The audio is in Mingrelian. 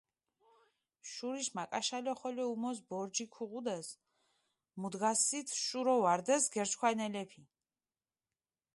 შურიშ მაკაშალო ხოლო უმოს ბორჯი ქუღუდეს, მუდგასით შურო ვარდეს გერჩქვანელეფი.